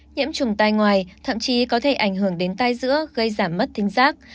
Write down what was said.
nhiễm trùng tai ngoài thậm chí có thể ảnh hưởng đến tai giữa gây giảm mất tính giác